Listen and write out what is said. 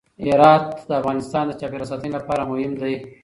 هرات د افغانستان د چاپیریال ساتنې لپاره مهم دي.